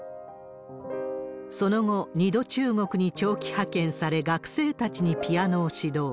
その後、２度中国に長期派遣され、学生たちにピアノを指導。